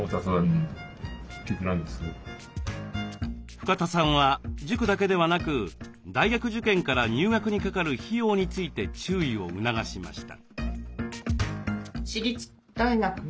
深田さんは塾だけではなく大学受験から入学にかかる費用について注意を促しました。